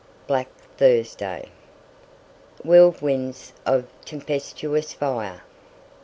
BLACK THURSDAY. "Whirlwinds of tempestuous fire."